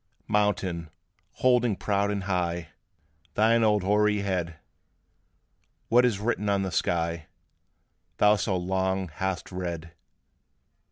Mountain, holding proud and high Thine old hoary head, What is written on the sky, Thou so long hast read?